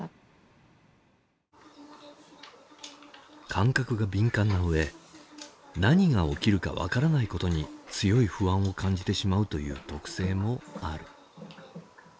感覚が敏感な上何が起きるか分からないことに強い不安を感じてしまうという特性もある。